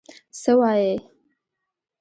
څه وایې؟